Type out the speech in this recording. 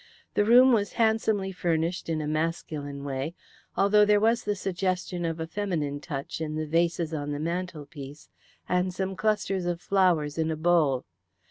The room was handsomely furnished in a masculine way, although there was the suggestion of a feminine touch in the vases on the mantelpiece and some clusters of flowers in a bowl.